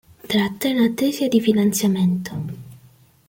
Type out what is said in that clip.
Tratta in attesa di finanziamento.